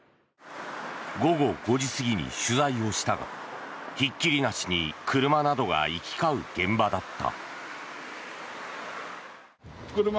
午後５時過ぎに取材をしたがひっきりなしに車などが行き交う現場だった。